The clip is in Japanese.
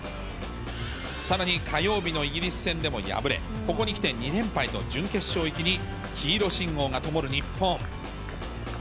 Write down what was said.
さらに火曜日のイギリス戦でも敗れ、ここにきて２連敗と準決勝行きに黄色信号がともる日本。